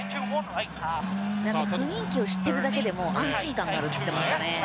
雰囲気を知っているだけでも安心感があるって言っていましたね。